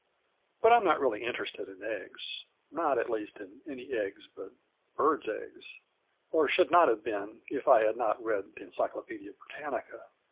But I am not really interested in eggs not, at least, in any eggs but birds' eggs or should not have been, if I had not read The Encyclopædia Britannica.